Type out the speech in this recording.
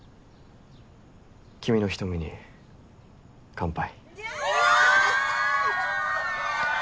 君の瞳に乾杯。